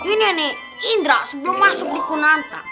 ini nih indra sebelum masuk di kunanta